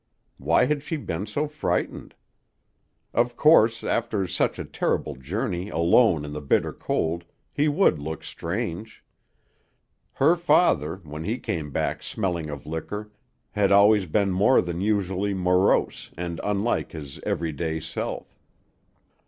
Why had she been so frightened? Of course, after such a terrible journey alone in the bitter cold, he would look strange. Her father, when he came back smelling of liquor, had always been more than usually morose and unlike his every day self.